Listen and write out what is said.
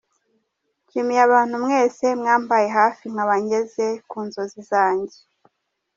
Nshimiye abantu mwese mwambaye hafi nkaba ngeze ku nzozi zanjye.